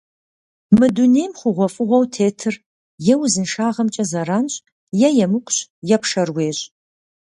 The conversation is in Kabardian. Мы дунейм хъугъуэфӏыгъуэу тетыр е узыншагъэмкӏэ зэранщ, е емыкӏущ, е пшэр уещӏ.